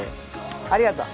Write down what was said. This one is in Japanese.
ありがとう。